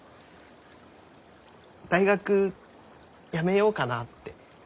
大学やめようかなって。